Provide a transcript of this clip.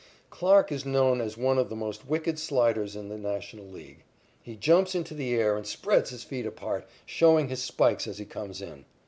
Clarke is known as one of the most wicked sliders in the National League. He jumps into the air and spreads his feet apart, showing his spikes as he comes in.